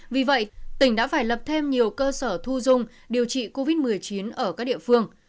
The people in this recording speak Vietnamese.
vì vậy tỉnh đã phải lập thêm nhiều cơ sở thu dung điều trị covid một mươi chín ở các địa phương